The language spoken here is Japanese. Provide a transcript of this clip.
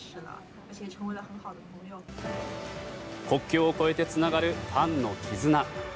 国境を越えてつながるファンの絆。